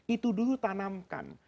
itu dulu tanamkan